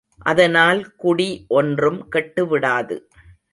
அதனால் குடி ஒன்றும் கெட்டுவிடாது.